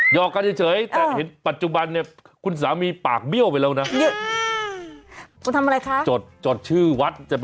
อกกันเฉยแต่เห็นปัจจุบันเนี่ยคุณสามีปากเบี้ยวไปแล้วนะ